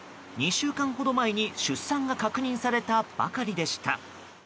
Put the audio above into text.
２週間ほど前に出産が確認されたばかりでした。